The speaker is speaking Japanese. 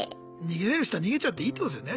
逃げれる人は逃げちゃっていいってことですよね。